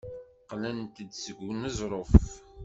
Qqlent-d seg uneẓruf.